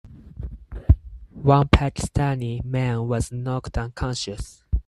One Pakistani man was knocked unconscious.